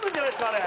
あれ。